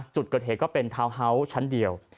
จุดเกิดเหตุก็เป็นทาวน์เฮาส์ชั้นเดียว